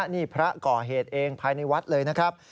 นี่พระก่อเหตุเองภายในวัดเลยนะครับ